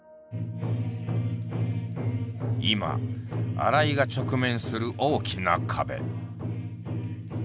今新井が直面する大きな壁。